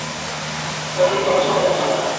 Payback, তোমার সামনে missile রয়েছে।